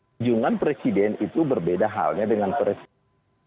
kunjungan presiden itu berbeda halnya dengan presiden